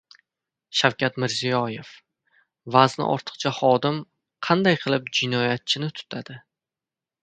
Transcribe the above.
Shavkat Mirziyoyev: «Vazni ortiqcha xodim qanday qilib jinoyatchini tutadi?»